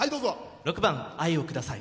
６番「愛をください